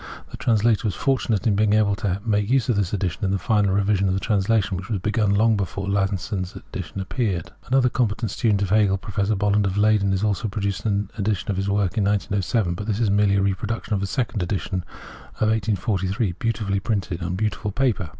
The translator was fortunate in being able to make use of this edition in the final revision of the translation, which was begun long bef^)re Lasson's edition appeared. Another competent studcint of Hegel, Professor Bolland of Leyden, also produced an edition of the work in 1907 ; but this is merely a repro duction of the second edition of 1843, beautifully printed on beautiful paper.